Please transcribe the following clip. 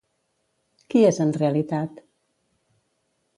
Qui és en realitat?